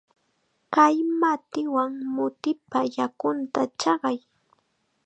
Kay matiwan mutipa yakunta chaqay.